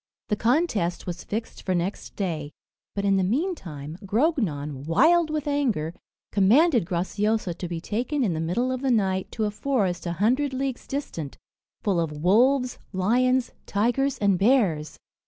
The contest was fixed for next day; but in the meantime, Grognon, wild with anger, commanded Graciosa to be taken in the middle of the night to a forest a hundred leagues distant, full of wolves, lions, tigers, and bears.